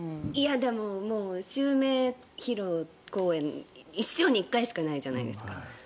でも、襲名披露公演一生に１回しかないじゃないですか。